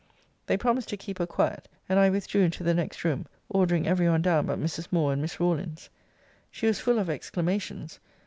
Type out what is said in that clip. They promised to keep her quiet; and I withdrew into the next room; ordering every one down but Mrs. Moore and Miss Rawlins. She was full of exclamations!